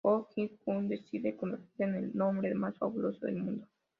Woo Ki Myung decide convertirse en el hombre más fabuloso del mundo.